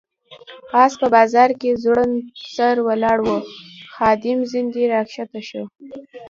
آس په باران کې ځوړند سر ولاړ و، خادم ځنې را کښته شو.